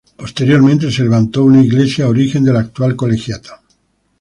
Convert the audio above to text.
Posteriormente se levantó una iglesia, origen de la actual colegiata.